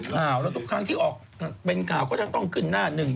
แล้วทุกครั้งที่ออกเป็นข่าวง่ายก็จะต้องกันหน้าหนึ่ง